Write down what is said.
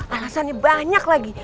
alasannya banyak lagi